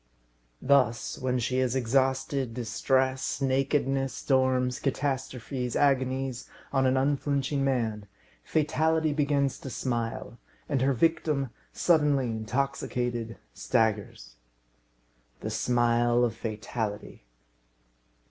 Thus, when she has exhausted distress, nakedness, storms, catastrophes, agonies on an unflinching man, Fatality begins to smile, and her victim, suddenly intoxicated, staggers. The smile of Fatality!